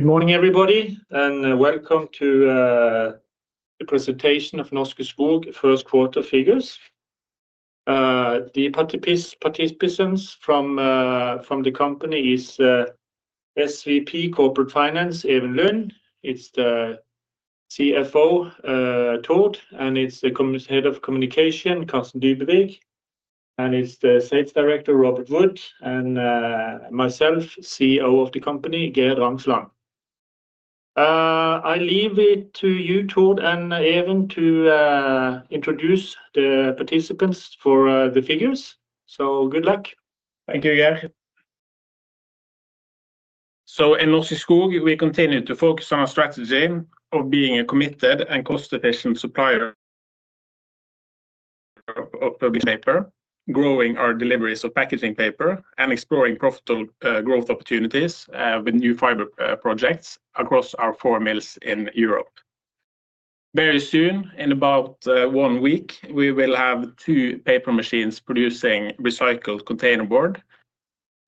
Good morning, everybody, and welcome to the presentation of Norske Skog First Quarter figures. The participants from the company are SVP Corporate Finance, Even Lund. It's the CFO, Tord, and it's the Head of Communication, Carsten Dybevig, and it's the Sales Director, Robert Wood, and myself, CEO of the company, Geir Drangsland. I leave it to you, Tord, and Even to introduce the participants for the figures. Good luck. Thank you, Geir. In Norske Skog, we continue to focus on our strategy of being a committed and cost-efficient supplier of paper, growing our deliveries of packaging paper, and exploring profitable growth opportunities with new fiber projects across our four mills in Europe. Very soon, in about one week, we will have two paper machines producing recycled containerboard,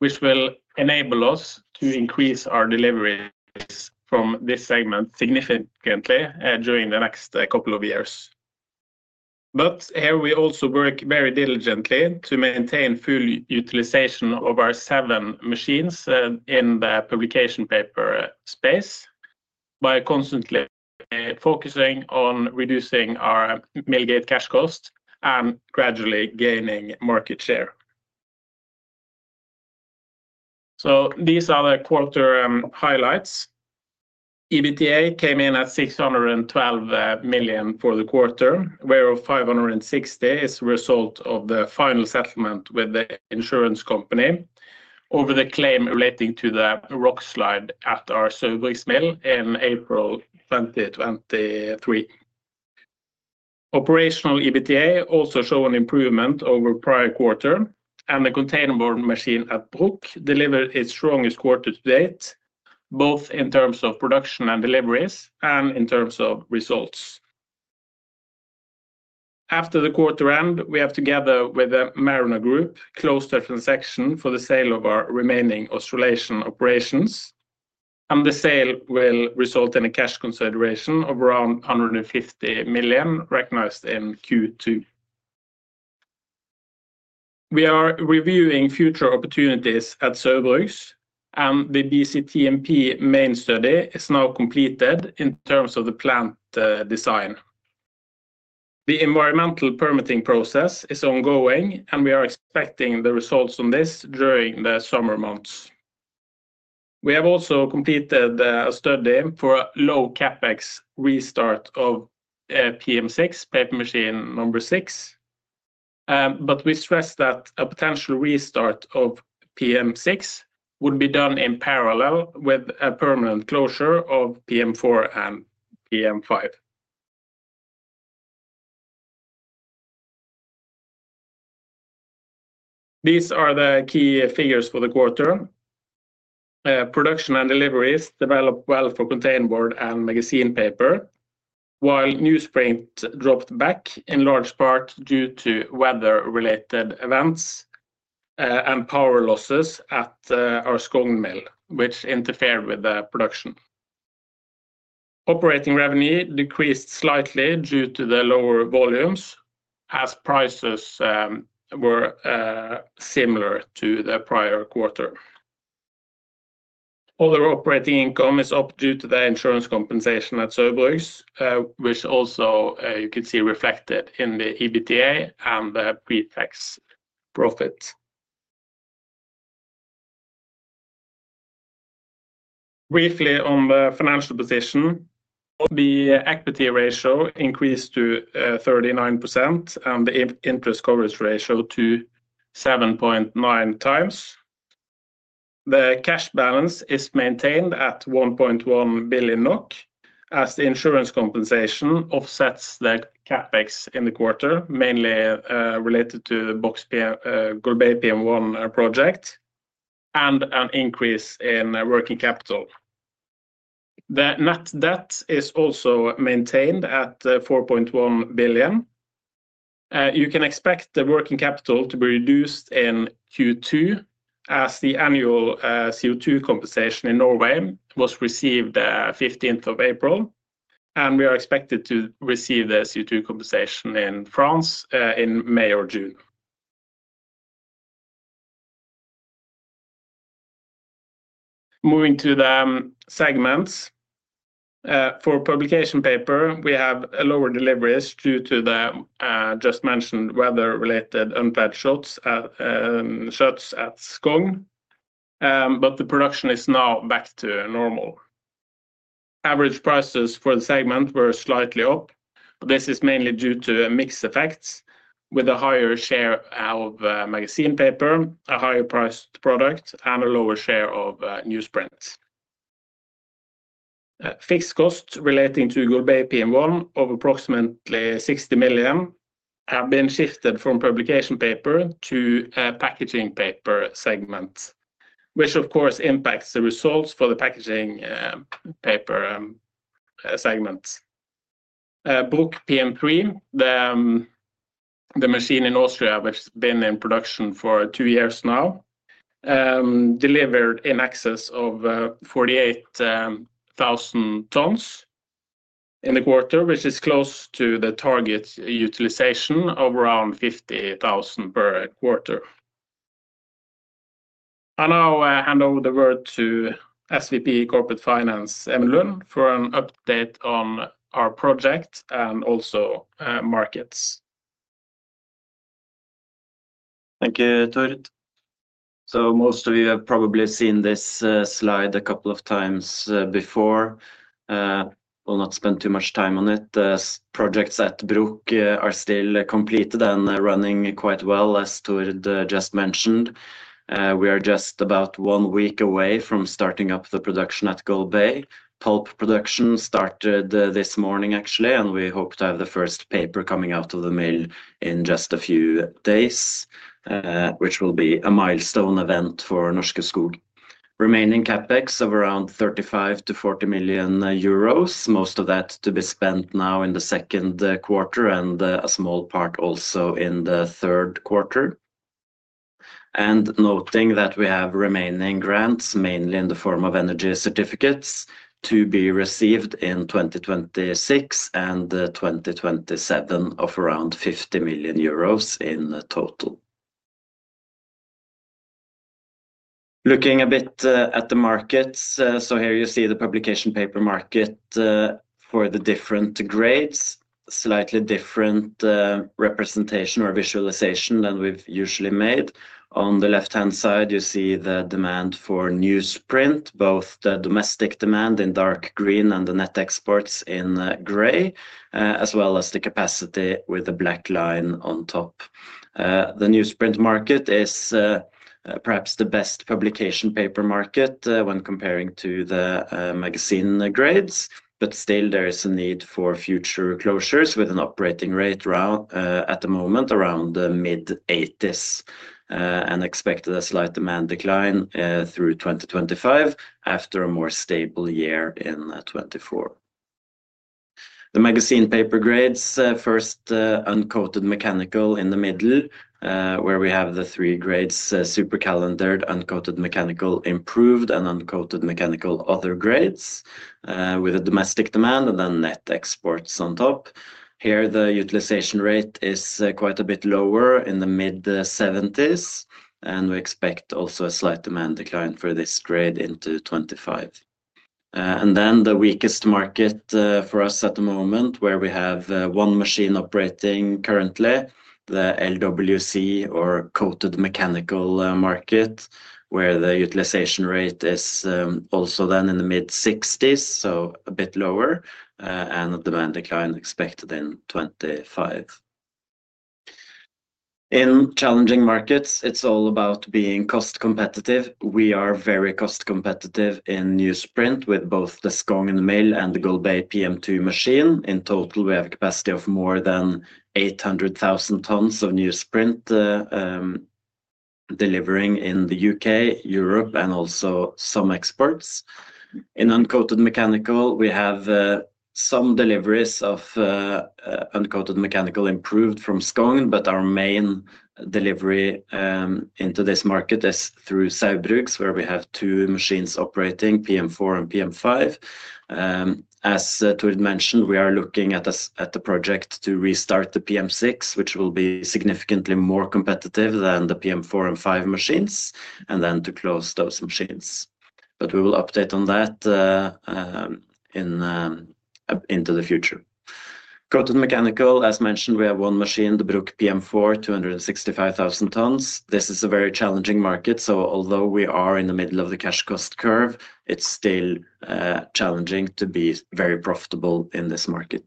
which will enable us to increase our deliveries from this segment significantly during the next couple of years. Here we also work very diligently to maintain full utilization of our seven machines in the publication paper space by constantly focusing on reducing our mill gate cash cost and gradually gaining market share. These are the quarter highlights. EBITDA came in at 612 million for the quarter, where 560 million is the result of the final settlement with the insurance company over the claim relating to the rock slide at our Saugbrugs mill in April 2023. Operational EBITDA also showed an improvement over the prior quarter, and the containerboard machine at Bruck delivered its strongest quarter to date, both in terms of production and deliveries and in terms of results. After the quarter end, we have together with the Mariner Group closed a transaction for the sale of our remaining oscillation operations, and the sale will result in a cash consideration of around 150 million recognized in Q2. We are reviewing future opportunities at Saugbrugs, and the BCTMP main study is now completed in terms of the plant design. The environmental permitting process is ongoing, and we are expecting the results on this during the summer months. We have also completed a study for a low CapEx restart of PM6, paper machine number six, but we stress that a potential restart of PM6 would be done in parallel with a permanent closure of PM4 and PM5. These are the key figures for the quarter. Production and deliveries developed well for container board and magazine paper, while newsprint dropped back in large part due to weather-related events and power losses at our Skogn mill, which interfered with the production. Operating revenue decreased slightly due to the lower volumes as prices were similar to the prior quarter. Other operating income is up due to the insurance compensation at Saugbrugs, which also you can see reflected in the EBITDA and the pre-tax profit. Briefly on the financial position, the equity ratio increased to 39% and the interest coverage ratio to 7.9x. The cash balance is maintained at 1.1 billion NOK as the insurance compensation offsets the CapEx in the quarter, mainly related to the Bruck's Golbey PM1 project and an increase in working capital. The net debt is also maintained at 4.1 billion. You can expect the working capital to be reduced in Q2 as the annual CO2 compensation in Norway was received on the 15th of April, and we are expected to receive the CO2 compensation in France in May or June. Moving to the segments. For publication paper, we have lower deliveries due to the just mentioned weather-related unplanned shuts at Skogn, but the production is now back to normal. Average prices for the segment were slightly up. This is mainly due to mixed effects with a higher share of magazine paper, a higher priced product, and a lower share of newsprint. Fixed costs relating to Golbey PM1 of approximately 60 million have been shifted from publication paper to packaging paper segment, which of course impacts the results for the packaging paper segment. Bruck PM3, the machine in Austria which has been in production for two years now, delivered in excess of 48,000 tons in the quarter, which is close to the target utilization of around 50,000 per quarter. I now hand over the word to SVP Corporate Finance, Even Lund, for an update on our project and also markets. Thank you, Tord. Most of you have probably seen this slide a couple of times before. We will not spend too much time on it. The projects at Bruck are still completed and running quite well, as Tord just mentioned. We are just about one week away from starting up the production at Golbey. Pulp production started this morning, actually, and we hope to have the first paper coming out of the mill in just a few days, which will be a milestone event for Norske Skog. Remaining CapEx of around 35-40 million euros, most of that to be spent now in the second quarter and a small part also in the third quarter. Noting that we have remaining grants, mainly in the form of energy certificates, to be received in 2026 and 2027 of around 50 million euros in total. Looking a bit at the markets, here you see the publication paper market for the different grades, slightly different representation or visualization than we've usually made. On the left-hand side, you see the demand for newsprint, both the domestic demand in dark green and the net exports in gray, as well as the capacity with the black line on top. The newsprint market is perhaps the best publication paper market when comparing to the magazine grades, but still there is a need for future closures with an operating rate at the moment around the mid-80% and expect a slight demand decline through 2025 after a more stable year in 2024. The magazine paper grades, first uncoated mechanical in the middle, where we have the three grades: super calendared, uncoated mechanical improved, and uncoated mechanical other grades, with a domestic demand and then net exports on top. Here, the utilization rate is quite a bit lower in the mid-70%, and we expect also a slight demand decline for this grade into 2025. The weakest market for us at the moment, where we have one machine operating currently, is the LWC or coated mechanical market, where the utilization rate is also then in the mid-60s, so a bit lower, and a demand decline expected in 2025. In challenging markets, it's all about being cost competitive. We are very cost competitive in newsprint with both the Skogn mill and the Golbey PM2 machine. In total, we have a capacity of more than 800,000 tons of newsprint delivering in the U.K., Europe, and also some exports. In uncoated mechanical, we have some deliveries of uncoated mechanical improved from Skogn, but our main delivery into this market is through Saugbrugs, where we have two machines operating, PM4 and PM5. As Tord mentioned, we are looking at a project to restart the PM6, which will be significantly more competitive than the PM4 and PM5 machines, and then to close those machines. We will update on that into the future. Coated mechanical, as mentioned, we have one machine, the Bruck PM4, 265,000 tons. This is a very challenging market, so although we are in the middle of the cash cost curve, it's still challenging to be very profitable in this market.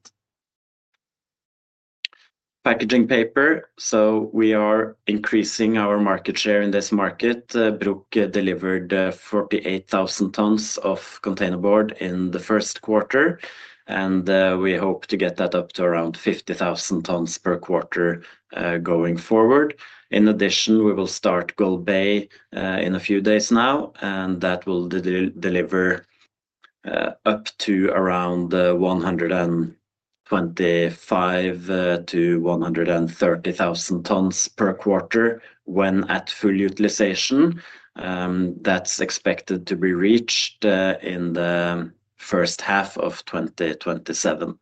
Packaging paper, we are increasing our market share in this market. Bruck delivered 48,000 tons of containerboard in the first quarter, and we hope to get that up to around 50,000 tons per quarter going forward. In addition, we will start Golbey in a few days now, and that will deliver up to around 125,000-130,000 tons per quarter when at full utilization. That's expected to be reached in the first half of 2027.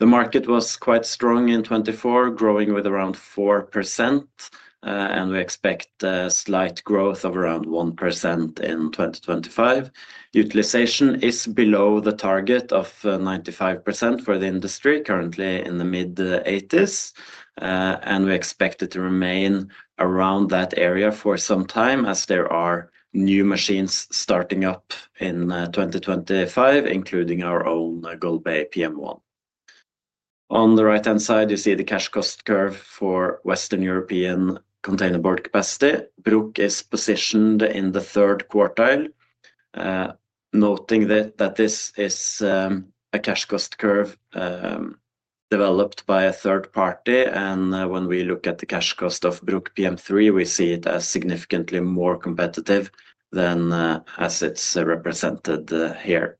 The market was quite strong in 2024, growing with around 4%, and we expect a slight growth of around 1% in 2025. Utilization is below the target of 95% for the industry, currently in the mid-80s, and we expect it to remain around that area for some time as there are new machines starting up in 2025, including our own Golbey PM1. On the right-hand side, you see the cash cost curve for Western European containerboard capacity. Bruck is positioned in the third quartile. Noting that this is a cash cost curve developed by a third party, and when we look at the cash cost of Bruck PM3, we see it as significantly more competitive than as it's represented here.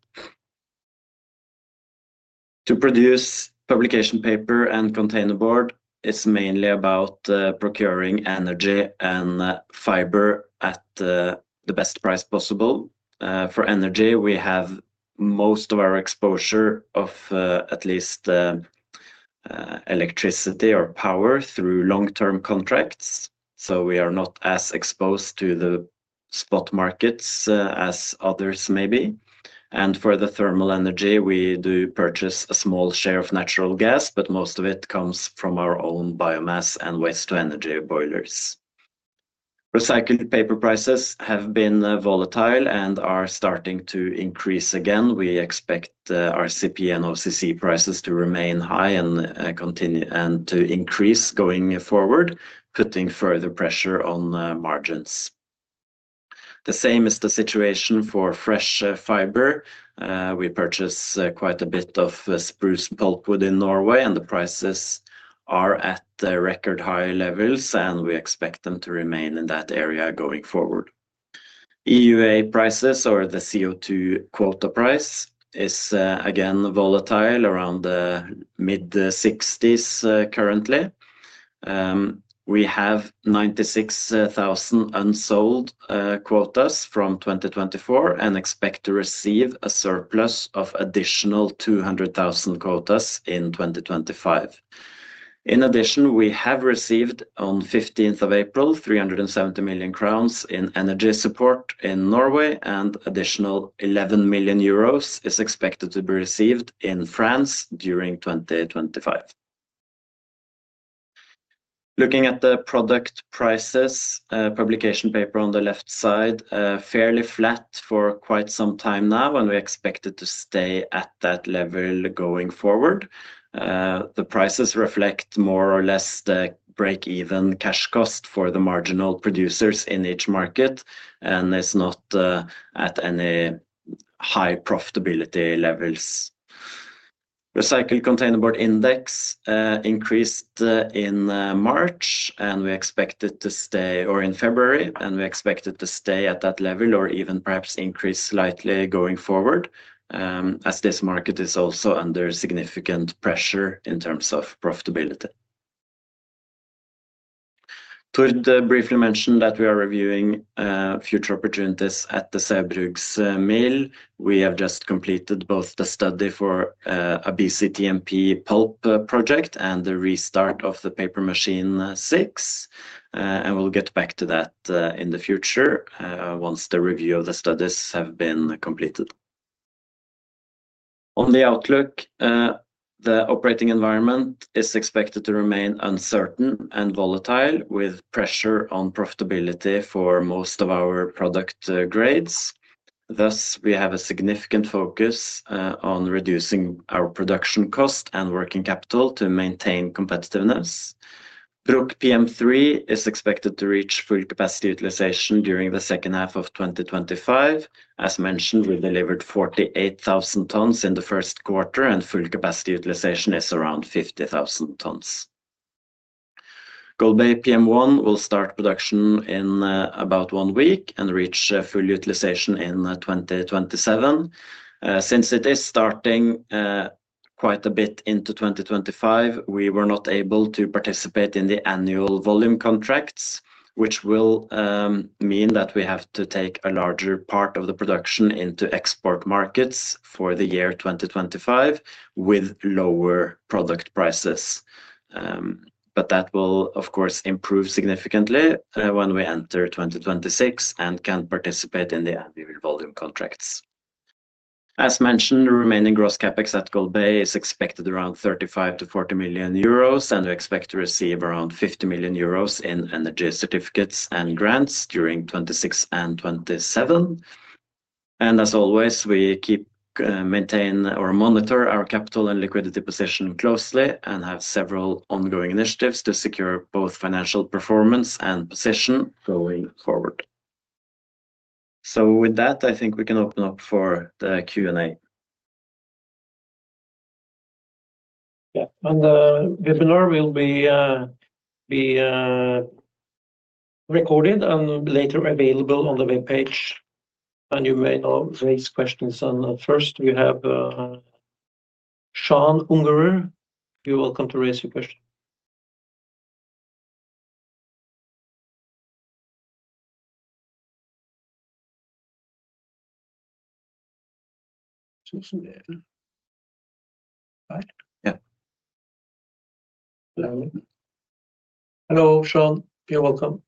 To produce publication paper and container board, it's mainly about procuring energy and fiber at the best price possible. For energy, we have most of our exposure of at least electricity or power through long-term contracts, so we are not as exposed to the spot markets as others may be. For the thermal energy, we do purchase a small share of natural gas, but most of it comes from our own biomass and waste-to-energy boilers. Recycled paper prices have been volatile and are starting to increase again. We expect our RCP and OCC prices to remain high and continue and to increase going forward, putting further pressure on margins. The same is the situation for fresh fiber. We purchase quite a bit of spruce pulp wood in Norway, and the prices are at record high levels, and we expect them to remain in that area going forward. EUA prices, or the CO2 quota price, is again volatile, around the mid-60s currently. We have 96,000 unsold quotas from 2024 and expect to receive a surplus of additional 200,000 quotas in 2025. In addition, we have received on the 15th of April, 370 million crowns in energy support in Norway, and an additional 11 million euros is expected to be received in France during 2025. Looking at the product prices, publication paper on the left side, fairly flat for quite some time now, and we expect it to stay at that level going forward. The prices reflect more or less the break-even cash cost for the marginal producers in each market, and it's not at any high profitability levels. Recycled containerboard index increased in March, and we expect it to stay, or in February, and we expect it to stay at that level or even perhaps increase slightly going forward, as this market is also under significant pressure in terms of profitability. Tord briefly mentioned that we are reviewing future opportunities at the Saugbrugs Mill. We have just completed both the study for a BCTMP pulp project and the restart of the paper machine six, and we'll get back to that in the future once the review of the studies has been completed. On the outlook, the operating environment is expected to remain uncertain and volatile, with pressure on profitability for most of our product grades. Thus, we have a significant focus on reducing our production cost and working capital to maintain competitiveness. Bruck PM3 is expected to reach full capacity utilization during the second half of 2025. As mentioned, we delivered 48,000 tons in the first quarter, and full capacity utilization is around 50,000 tons. Golbey PM1 will start production in about one week and reach full utilization in 2027. Since it is starting quite a bit into 2025, we were not able to participate in the annual volume contracts, which will mean that we have to take a larger part of the production into export markets for the year 2025 with lower product prices. That will, of course, improve significantly when we enter 2026 and can participate in the annual volume contracts. As mentioned, the remaining gross CapEx at Golbey is expected around 35-40 million euros, and we expect to receive around 50 million euros in energy certificates and grants during 2026 and 2027. As always, we keep, maintain or monitor our capital and liquidity position closely and have several ongoing initiatives to secure both financial performance and position going forward. With that, I think we can open up for the Q&A. Yeah, the webinar will be recorded and later available on the webpage, and you may now raise questions. First, we have Sean Ungerer. You're welcome to raise your question. Hello, Sean. You're welcome.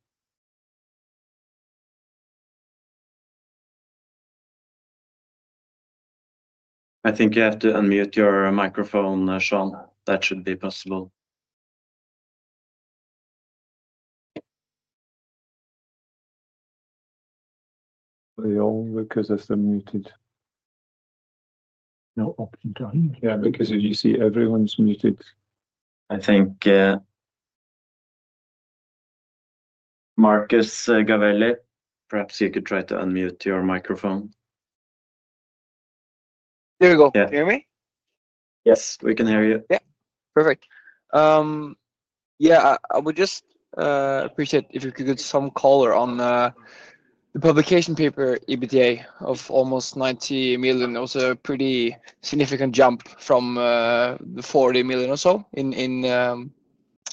I think you have to unmute your microphone, Sean. That should be possible. Yong because it's unmuted. No option to unmute. Yeah, because as you see, everyone's muted. I think Marcus Gavelli, perhaps you could try to unmute your microphone. There we go. Can you hear me? Yes, we can hear you. Yeah, perfect. Yeah, I would just appreciate if you could give some color on the publication paper EBITDA of almost 90 million. It was a pretty significant jump from the 40 million or so in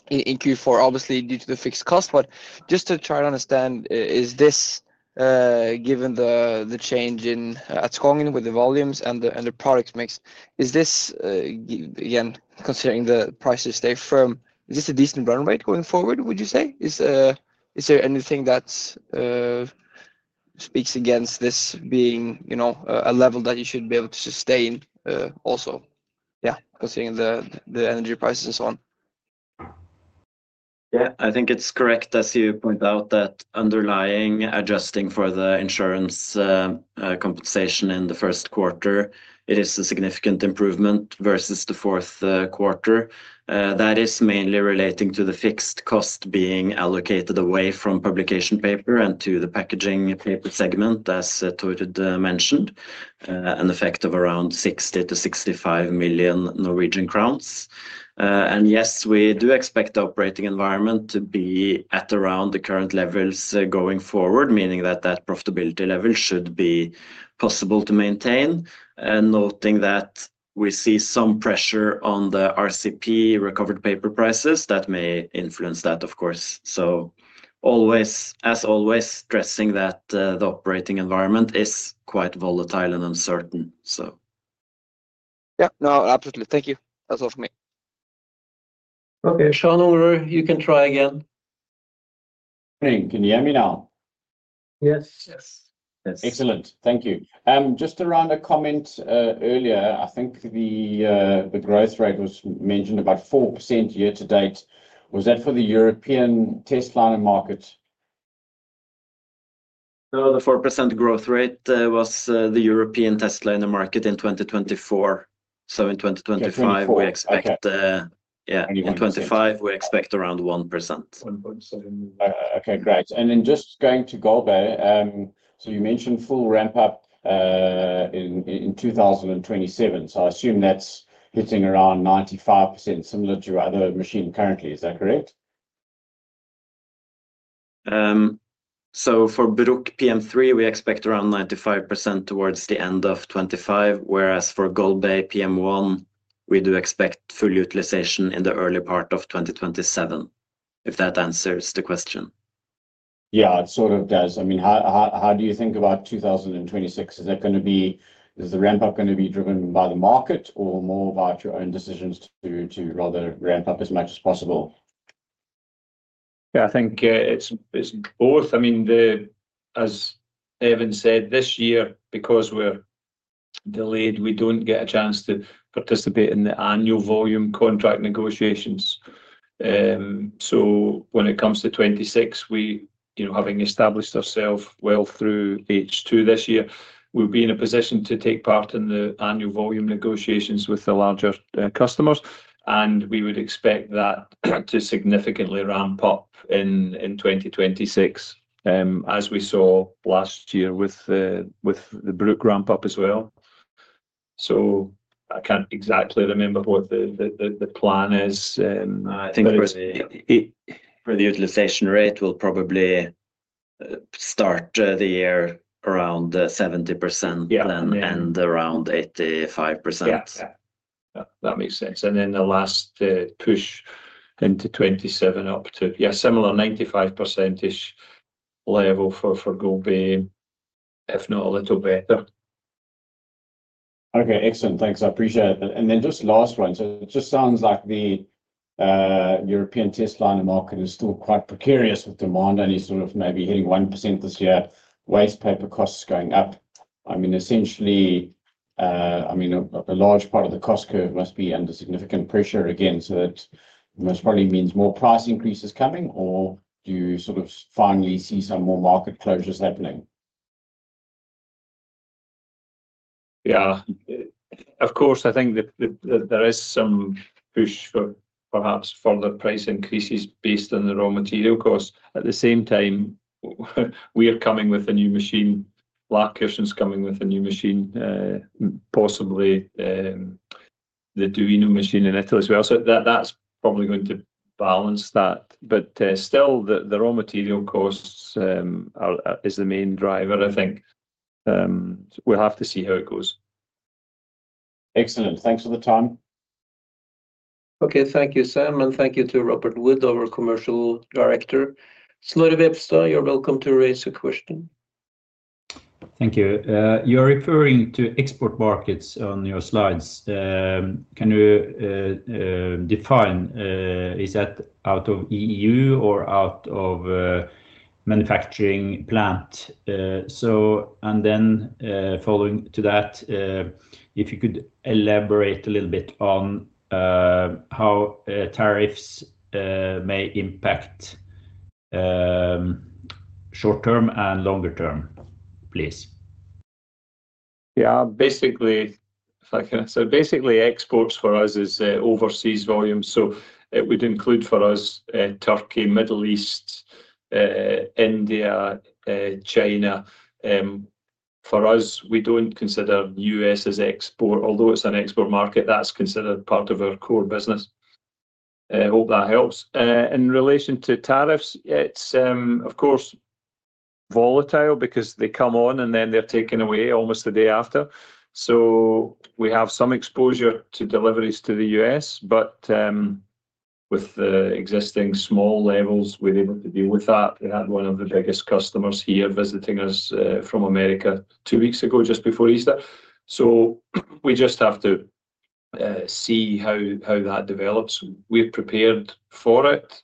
Q4, obviously due to the fixed cost. Just to try to understand, is this, given the change at Skogn with the volumes and the product mix, is this, again, considering the prices stay firm, is this a decent run rate going forward, would you say? Is there anything that speaks against this being a level that you should be able to sustain also, yeah, considering the energy prices and so on? Yeah, I think it's correct as you point out that underlying, adjusting for the insurance compensation in the first quarter, it is a significant improvement versus the fourth quarter. That is mainly relating to the fixed cost being allocated away from publication paper and to the packaging paper segment, as Tord mentioned, an effect of around 60-65 million Norwegian crowns. Yes, we do expect the operating environment to be at around the current levels going forward, meaning that that profitability level should be possible to maintain. Noting that we see some pressure on the RCP recovered paper prices, that may influence that, of course. As always, stressing that the operating environment is quite volatile and uncertain. Yeah, no, absolutely. Thank you. That's all from me. Okay, Sean Ungerer, you can try again. Hey, can you hear me now? Yes. Yes. Excellent. Thank you. Just around a comment earlier, I think the growth rate was mentioned about 4% year to date. Was that for the European testliner market? No, the 4% growth rate was the European testliner market in 2024. In 2025, we expect, yeah, in 2025, we expect around 1%. Okay, great. Just going to Golbey, you mentioned full ramp-up in 2027, so I assume that's hitting around 95%, similar to other machine currently, is that correct? For Bruck PM3, we expect around 95% towards the end of 2025, whereas for Golbey PM1, we do expect full utilization in the early part of 2027, if that answers the question. Yeah, it sort of does. I mean, how do you think about 2026? Is the ramp-up going to be driven by the market or more about your own decisions to rather ramp up as much as possible? Yeah, I think it's both. I mean, as Even said, this year, because we're delayed, we don't get a chance to participate in the annual volume contract negotiations. When it comes to 2026, having established ourselves well through stage two this year, we'll be in a position to take part in the annual volume negotiations with the larger customers, and we would expect that to significantly ramp up in 2026, as we saw last year with the Bruck ramp-up as well. I can't exactly remember what the plan is. I think for the utilization rate, we'll probably start the year around 70% and end around 85%. Yeah, that makes sense. Then the last push into 2027 up to, yeah, similar 95 percentage level for Golbey, if not a little better. Okay, excellent. Thanks. I appreciate that. Just last one. It just sounds like the European testliner market is still quite precarious with demand, and you're sort of maybe hitting 1% this year, waste paper costs going up. I mean, essentially, a large part of the cost curve must be under significant pressure again, so that most probably means more price increases coming, or do you sort of finally see some more market closures happening? Yeah, of course, I think there is some push for perhaps further price increases based on the raw material cost. At the same time, we are coming with a new machine, Larkershun is coming with a new machine, possibly the Duino machine in Italy as well. That is probably going to balance that. Still, the raw material costs is the main driver, I think. We'll have to see how it goes. Excellent. Thanks for the time. Okay, thank you, Sam, and thank you to Robert Wood, our Commercial Director. Slore Vepster, you're welcome to raise a question. Thank you. You're referring to export markets on your slides. Can you define, is that out of E.U. or out of manufacturing plant? Following to that, if you could elaborate a little bit on how tariffs may impact short-term and longer-term, please. Yeah, basically, if I can say, basically exports for us is overseas volume. So it would include for us Turkey, Middle East, India, China. For us, we don't consider the U.S. as export, although it's an export market that's considered part of our core business. I hope that helps. In relation to tariffs, it's of course volatile because they come on and then they're taken away almost the day after. We have some exposure to deliveries to the U.S., but with the existing small levels, we're able to deal with that. We had one of the biggest customers here visiting us from America two weeks ago just before Easter. We just have to see how that develops. We're prepared for it.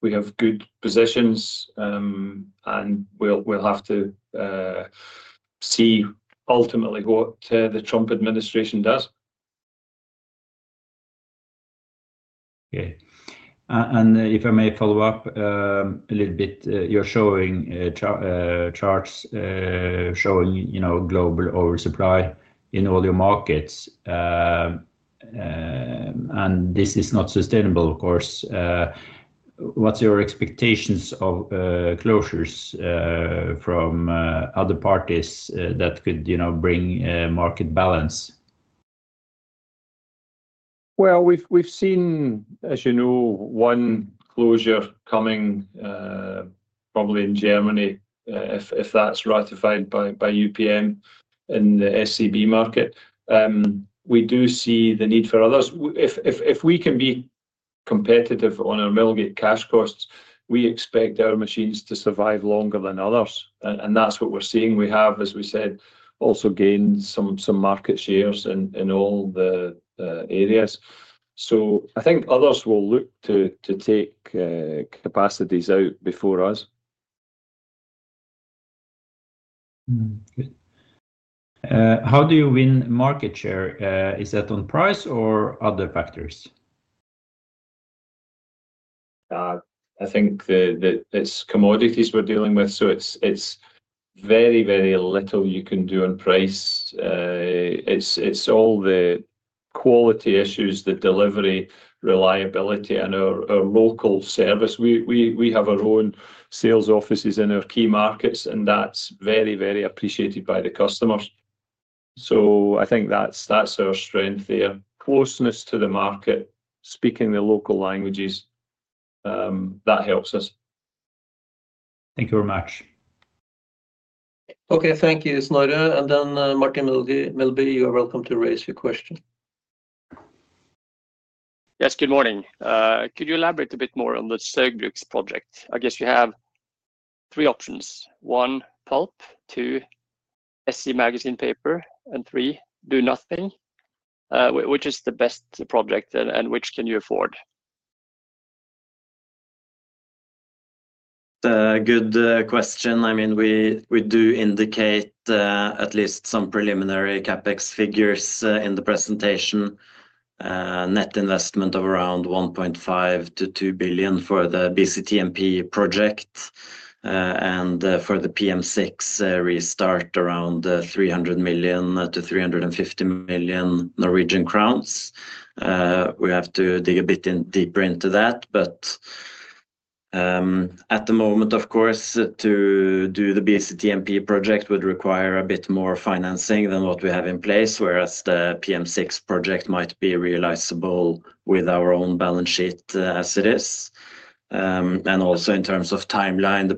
We have good positions, and we'll have to see ultimately what the Trump administration does. Okay. If I may follow up a little bit, you're showing charts showing global oversupply in all your markets, and this is not sustainable, of course. What's your expectations of closures from other parties that could bring market balance? We have seen, as you know, one closure coming probably in Germany, if that is ratified by UPM in the SCB market. We do see the need for others. If we can be competitive on our middle gate cash costs, we expect our machines to survive longer than others. That is what we are seeing. We have, as we said, also gained some market shares in all the areas. I think others will look to take capacities out before us. How do you win market share? Is that on price or other factors? I think it's commodities we're dealing with. It is very, very little you can do on price. It is all the quality issues, the delivery, reliability, and our local service. We have our own sales offices in our key markets, and that is very, very appreciated by the customers. I think that is our strength there. Closeness to the market, speaking the local languages, that helps us. Thank you very much. Okay, thank you, Slore. Martin Melby, you're welcome to raise your question. Yes, good morning. Could you elaborate a bit more on the Saugbrugs project? I guess you have three options. One, pulp; two, SC magazine paper; and three, do nothing. Which is the best project and which can you afford? Good question. I mean, we do indicate at least some preliminary CapEx figures in the presentation. Net investment of around 1.5 billion-2 billion for the BCTMP project and for the PM6 restart around 300 million-350 million Norwegian crowns. We have to dig a bit deeper into that, but at the moment, of course, to do the BCTMP project would require a bit more financing than what we have in place, whereas the PM6 project might be realizable with our own balance sheet as it is. Also in terms of timeline, the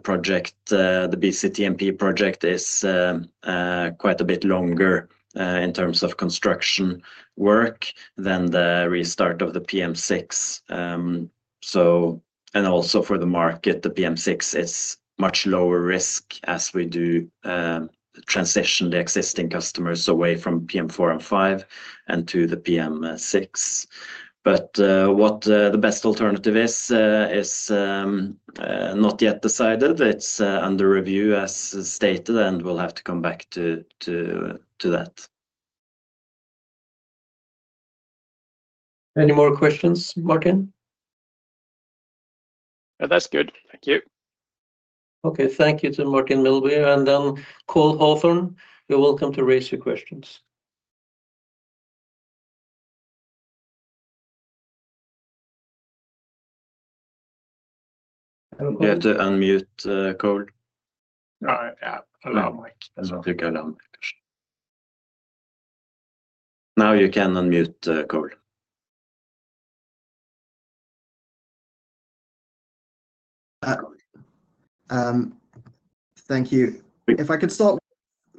BCTMP project is quite a bit longer in terms of construction work than the restart of the PM6. Also for the market, the PM6 is much lower risk as we do transition the existing customers away from PM4 and PM5 and to the PM6. What the best alternative is, is not yet decided. It's under review, as stated, and we'll have to come back to that. Any more questions, Martin? That's good. Thank you. Okay, thank you to Martin Melby. Cole Hawthorne, you're welcome to raise your questions. You have to unmute Cole. All right. Yeah, I'll unmute. Now you can unmute Cole. Thank you. If I could start with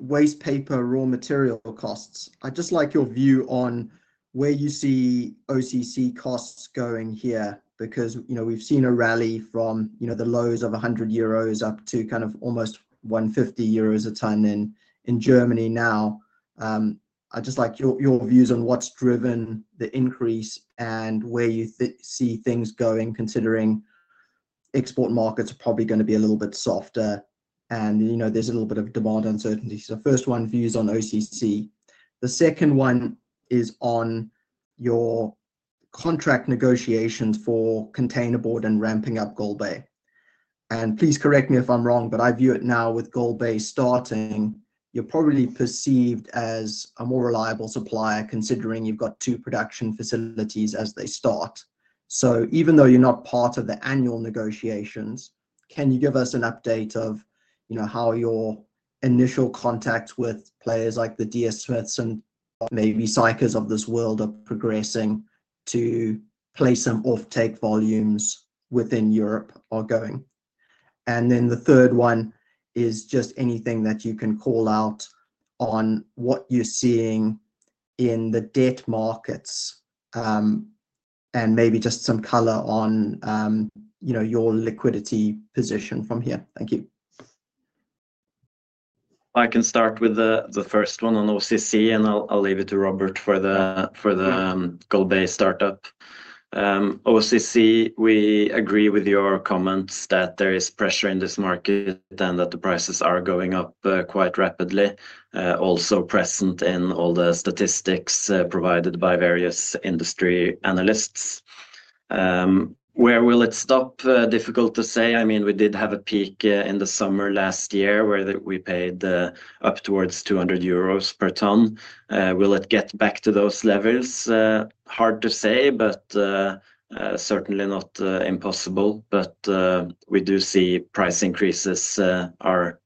waste paper raw material costs, I'd just like your view on where you see OCC costs going here, because we've seen a rally from the lows of 100 euros up to kind of almost 150 euros a ton in Germany now. I'd just like your views on what's driven the increase and where you see things going, considering export markets are probably going to be a little bit softer and there's a little bit of demand uncertainty. First one, views on OCC. The second one is on your contract negotiations for containerboard and ramping up Golbey. Please correct me if I'm wrong, but I view it now with Golbey starting, you're probably perceived as a more reliable supplier considering you've got two production facilities as they start. Even though you're not part of the annual negotiations, can you give us an update of how your initial contact with players like DS Smith and maybe cyclers of this world are progressing to place some off-take volumes within Europe are going? The third one is just anything that you can call out on what you're seeing in the debt markets and maybe just some color on your liquidity position from here. Thank you. I can start with the first one on OCC, and I'll leave it to Robert for the Golbey startup. OCC, we agree with your comments that there is pressure in this market and that the prices are going up quite rapidly, also present in all the statistics provided by various industry analysts. Where will it stop? Difficult to say. I mean, we did have a peak in the summer last year where we paid up towards 200 euros per ton. Will it get back to those levels? Hard to say, but certainly not impossible. We do see price increases are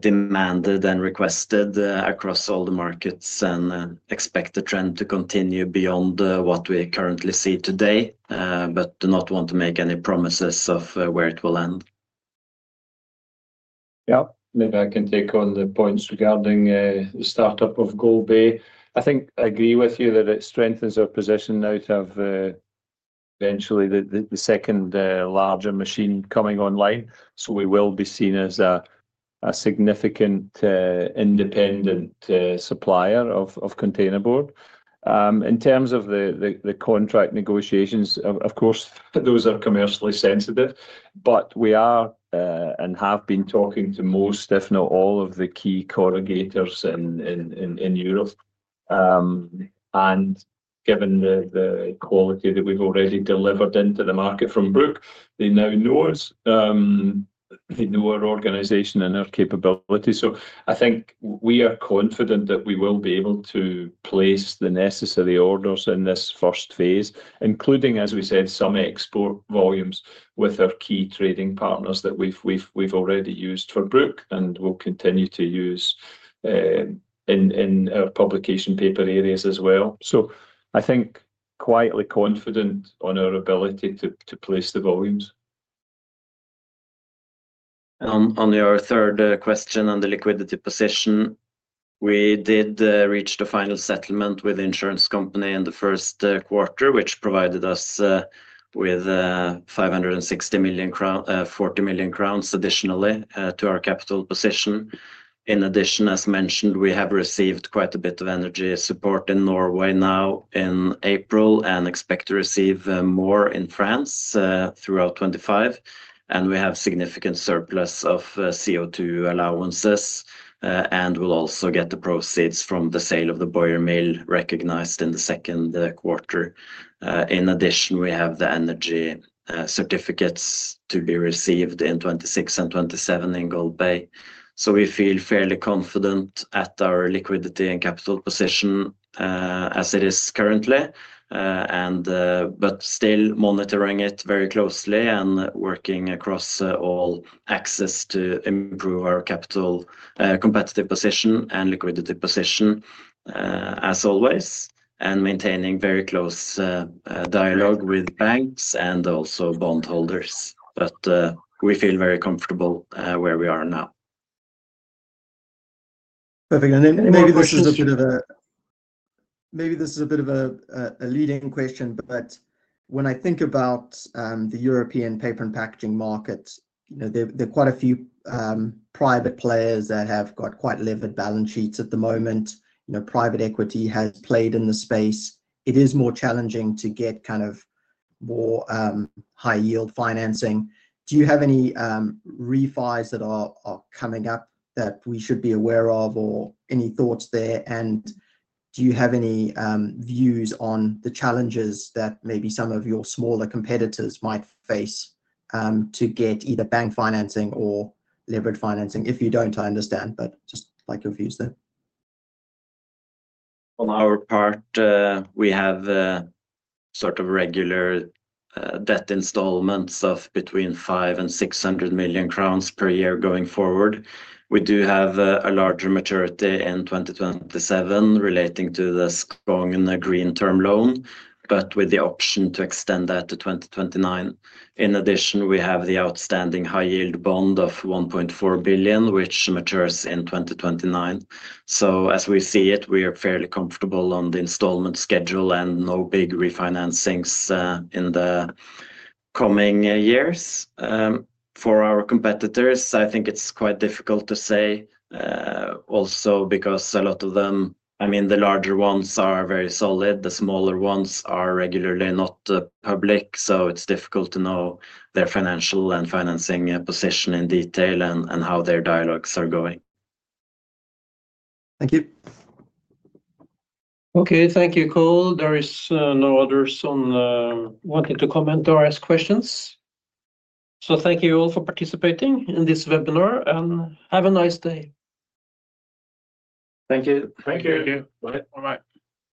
demanded and requested across all the markets and expect the trend to continue beyond what we currently see today, but do not want to make any promises of where it will end. Yeah, maybe I can take on the points regarding the startup of Golbey. I think I agree with you that it strengthens our position now to have eventually the second larger machine coming online. We will be seen as a significant independent supplier of container board. In terms of the contract negotiations, of course, those are commercially sensitive, but we are and have been talking to most, if not all, of the key corrugators in Europe. Given the quality that we've already delivered into the market from Bruck, they now know us, they know our organization and our capability. I think we are confident that we will be able to place the necessary orders in this first phase, including, as we said, some export volumes with our key trading partners that we've already used for Bruck and will continue to use in our publication paper areas as well. I think quietly confident on our ability to place the volumes. On our third question on the liquidity position, we did reach the final settlement with the insurance company in the first quarter, which provided us with 560 million crowns, 40 million crowns additionally to our capital position. In addition, as mentioned, we have received quite a bit of energy support in Norway now in April and expect to receive more in France throughout 2025. We have significant surplus of CO2 allowances, and we will also get the proceeds from the sale of the Bruck mill recognized in the second quarter. In addition, we have the energy certificates to be received in 2026 and 2027 in Golbey. We feel fairly confident at our liquidity and capital position as it is currently, but still monitoring it very closely and working across all axes to improve our capital competitive position and liquidity position as always, and maintaining very close dialogue with banks and also bondholders. We feel very comfortable where we are now. Perfect. Maybe this is a bit of a leading question, but when I think about the European paper and packaging market, there are quite a few private players that have got quite livid balance sheets at the moment. Private equity has played in the space. It is more challenging to get kind of more high-yield financing. Do you have any refis that are coming up that we should be aware of or any thoughts there? Do you have any views on the challenges that maybe some of your smaller competitors might face to get either bank financing or leverage financing? If you don't, I understand, but just like your views there. On our part, we have sort of regular debt installments of between 500 million and 600 million crowns per year going forward. We do have a larger maturity in 2027 relating to the Skogn green term loan, but with the option to extend that to 2029. In addition, we have the outstanding high-yield bond of 1.4 billion, which matures in 2029. As we see it, we are fairly comfortable on the installment schedule and no big refinancings in the coming years. For our competitors, I think it's quite difficult to say also because a lot of them, I mean, the larger ones are very solid. The smaller ones are regularly not public, so it's difficult to know their financial and financing position in detail and how their dialogues are going. Thank you. Okay, thank you, Cole. There is no others wanting to comment or ask questions. Thank you all for participating in this webinar and have a nice day. Thank you. Thank you. Bye-bye.